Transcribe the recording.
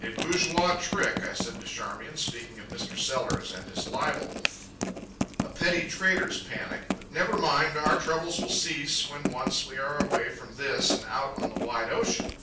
"A bourgeois trick," I said to Charmian, speaking of Mr. Sellers and his libel; "a petty trader's panic. But never mind; our troubles will cease when once we are away from this and out on the wide ocean."